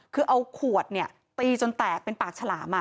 คือเอาขวดเนี่ยตีจนแตกเป็นปากฉลาม